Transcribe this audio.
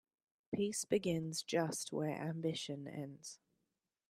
Peace begins just where ambition ends.